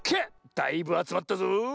だいぶあつまったぞ。